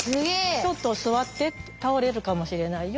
「ちょっと座って倒れるかもしれないよ